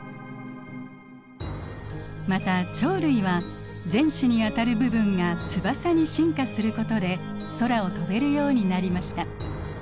また鳥類は前肢にあたる部分が翼に進化することで空を飛べるようになりました。